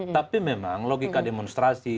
tapi memang logika demonstrasi